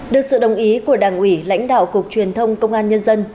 được sự đồng ý của đảng ủy lãnh đạo cục truyền thông công an nhân dân